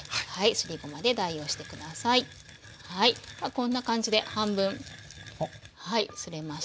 こんな感じで半分すれました。